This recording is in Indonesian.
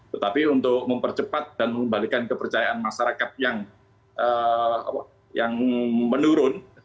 tetapi untuk mempercepat dan mengembalikan kepercayaan masyarakat yang menurun